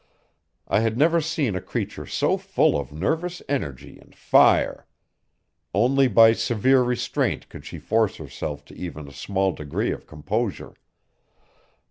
I have never seen a creature so full of nervous energy and fire; only by severe restraint could she force herself to even a small degree of composure.